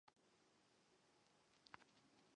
生长因子结合到靶细胞表面的特异受体上。